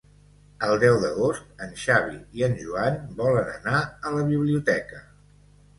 El deu d'agost en Xavi i en Joan volen anar a la biblioteca.